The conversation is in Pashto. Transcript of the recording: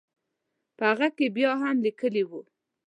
په هغه کې بیا هم لیکلي وو.